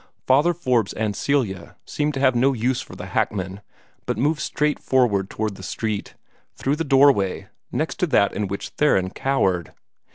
Father Forbes and Celia seemed to have no use for the hackmen, but moved straight forward toward the street, through the doorway next to that in which Theron cowered.